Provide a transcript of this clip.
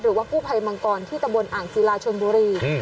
หรือว่ากู้ภัยมังกรที่ตะบนอ่างศิลาชนบุรี